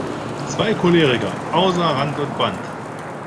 Zwei Choleriker außer Rand und Band!